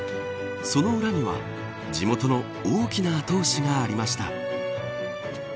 その裏には地元の大きな後押しがありました。